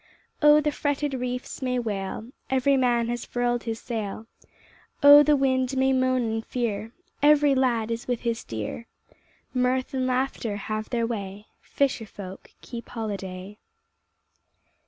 Oh, the fretted reefs may wail, Every man has furled his sail ! Oh, the wind may moan in fear, Every lad is with his dear! Mirth and laughter have their way, Fisher folk keep holiday.